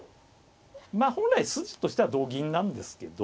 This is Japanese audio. まあ本来筋としては同銀なんですけど。